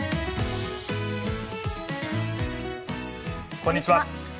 こんにちは。